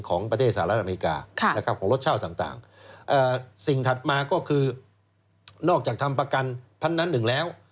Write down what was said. คุณผ่านมาแล้วคุณผ่านมาแล้วคคุณผ่านมาแล้วค